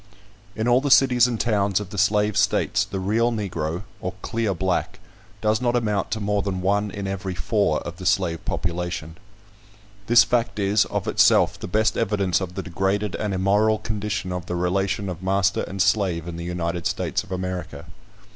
In all the cities and towns of the slave states, the real Negro, or clear black, does not amount to more than one in every four of the slave population. This fact is, of itself, the best evidence of the degraded and immoral condition of the relation of master and slave in the United States of America.